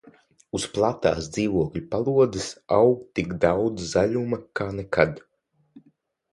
Uz platās dzīvokļa palodzes aug tik daudz zaļuma kā nekad.